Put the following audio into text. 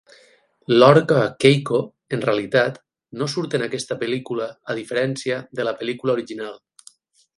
L'orca Keiko, en realitat, no surt en aquesta pel·lícula a diferència de la pel·lícula original.